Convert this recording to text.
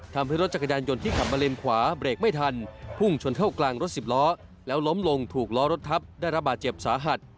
ทำให้รถจักรยานยนต์ที่ขับมาเลนขวาเบรกไม่ทันพุ่งชนเข้ากลางรถสิบล้อแล้วล้มลงถูกล้อรถทับได้รับบาดเจ็บสาหัส